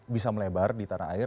bisa melebar di tanah air